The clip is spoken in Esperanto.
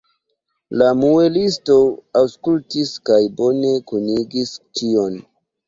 La muelisto aŭskultis kaj bone kunigis ĉion.